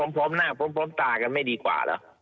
พร้อมหน้าพร้อมตากันไม่ดีกว่าเหรอ